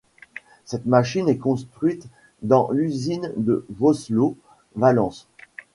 Cette machine est construite dans l'usine de Vossloh Valence.